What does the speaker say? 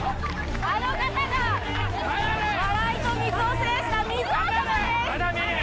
あの方が笑いと水を制した水王様です